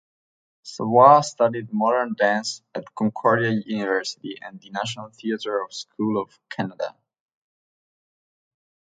Savoie studied modern dance at Concordia University and the National Theatre School of Canada.